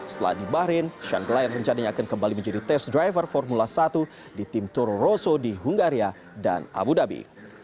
setelah dibaharin sean glyle menjadikan kembali menjadi test driver formula satu di tim toro rosso di hungaria dan abu dhabi